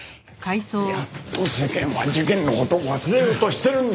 やっと世間は事件の事を忘れようとしてるんだ。